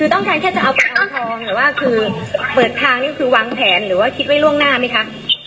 คือต้องแทนแค่จะเอาไปเอาทองหรือว่าคือเปิดทางนี่คือวางแผนหรือว่าคิดไว้ล่วงหน้าไหมคะ